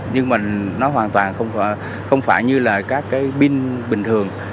nhưng mà nó hoàn toàn không phải như là các cái pin bình thường